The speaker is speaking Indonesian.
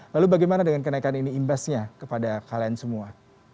lalu bagaimana dengan kenaikan ini imbasnya kepada kalian semua